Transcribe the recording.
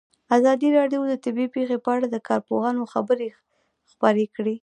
ازادي راډیو د طبیعي پېښې په اړه د کارپوهانو خبرې خپرې کړي.